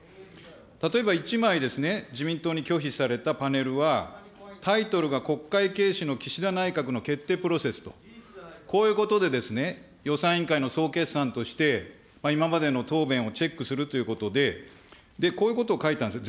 例えば１枚ですね、自民党に拒否されたパネルは、タイトルが国会軽視の岸田内閣の決定プロセスと、こういうことで予算委員会の総決算として、今までの答弁をチェックするということで、こういうことを書いたんですよ。